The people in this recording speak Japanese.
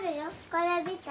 これ見て。